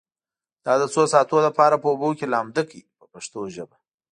دا د څو ساعتونو لپاره په اوبو کې لامده کړئ په پښتو ژبه.